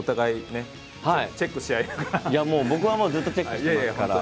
いやもう僕はずっとチェックしてますから。